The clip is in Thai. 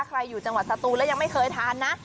อยู่จังหวัดสตูนแล้วยังไม่เคยทานนะ